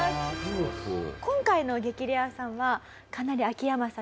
今回の激レアさんはかなり秋山さん